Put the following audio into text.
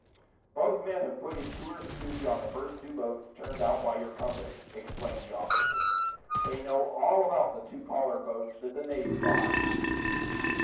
"Both men have put in tours of duty on the first two boats turned out by your company," explained the officer. "They know all about the two Pollard boats that the Navy bought."